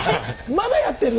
まだやってる？